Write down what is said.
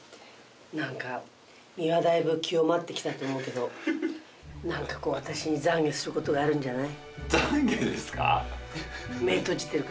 何か身はだいぶ清まってきたと思うけど何かこう私に懺悔することがあるんじゃない？懺悔ですか？